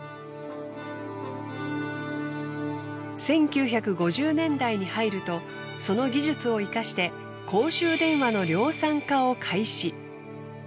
アンリツの１９５０年代に入るとその技術を活かして公衆電話の量産化を開始。